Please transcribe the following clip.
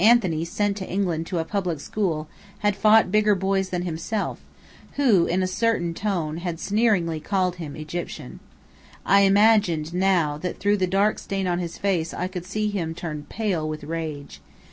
Anthony, sent to England to a public school, had fought bigger boys than himself, who, in a certain tone, had sneeringly called him "Egyptian." I imagined now that through the dark stain on his face I could see him turn pale with rage.